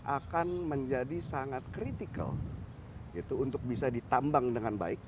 akan menjadi sangat kritikal untuk bisa ditambang dengan baik